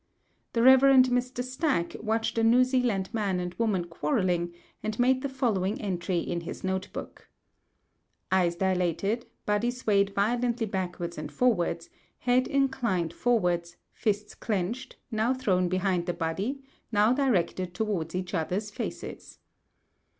The Rev. Mr. Stack watched a New Zealand man and woman quarrelling, and made the following entry in his note book: "Eyes dilated, body swayed violently backwards and forwards, head inclined forwards, fists clenched, now thrown behind the body, now directed towards each other's faces."